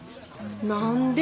何で？